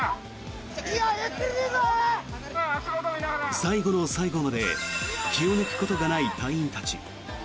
最後の最後まで気を抜くことがない隊員たち。